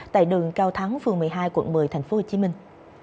tại đường cao thắng phường một mươi hai quận một mươi thành phố hồ chí minh